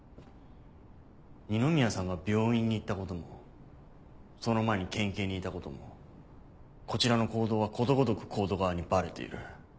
二宮さんが病院に行ったこともその前に県警にいたこともこちらの行動はことごとくＣＯＤＥ側にバレている。